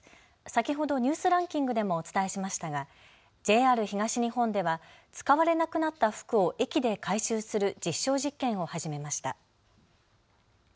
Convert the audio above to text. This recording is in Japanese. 先ほどニュースランキングでもお伝えしましたがＪＲ東日本では使われなくなった服を駅で回収する実証実験を始めました。